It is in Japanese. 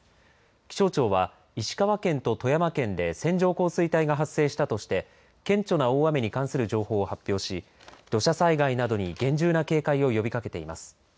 気象庁は、石川県と富山県で線状降水帯が発生したとして顕著な大雨に関する情報を発表し土砂災害などに厳重な警戒を呼びかけています。